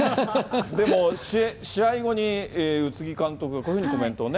でも、試合後に、宇津木監督がこういうふうにコメントをね。